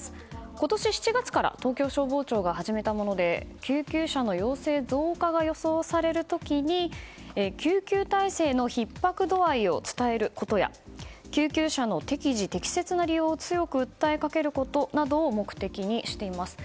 今年７月から東京消防庁が始めたもので救急車の要請増加が予想される時救急体制のひっ迫度合いを伝えることや救急車の適時・適切な利用を強く訴えかけることなどを目的にしています。